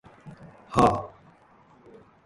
はーーー？